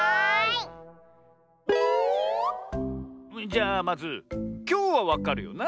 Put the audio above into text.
じゃあまずきょうはわかるよな？